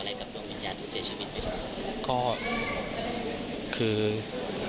เต็มของลางวิญญาณเสียชีวิตให้เรื่องไร